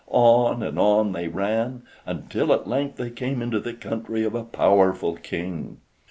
On and on they ran, until at length they came into the country of a powerful King.